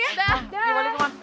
ya aduh ayo balik ke rumah